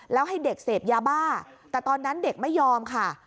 แล้วให้เด็กเสพยาบ้าแต่ตอนนั้นเด็กไม่ยอมค่ะ